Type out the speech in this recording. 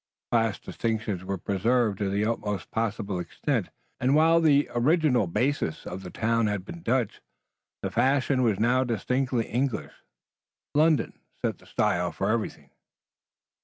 Class distinctions were preserved to the utmost possible extent, and, while the original basis of the town had been Dutch, the fashion was now distinctly English. London set the style for everything.